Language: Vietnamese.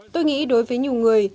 tôi nghĩ đối với nhiều người